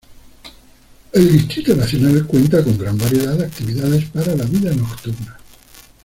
El Distrito Nacional cuenta con gran variedad de actividades para la vida nocturna.